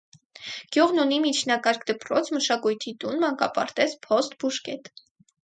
Գյուղն ունի միջնակարգ դպրոց, մշակույթի տուն, մանկապարտեզ, փոստ, բուժկետ։